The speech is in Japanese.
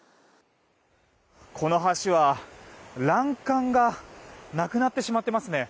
この橋は欄干がなくなってしまっていますね。